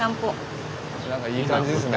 なんかいい感じですね。